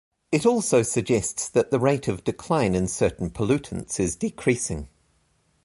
It also suggests that the rate of decline in certain pollutants is decreasing.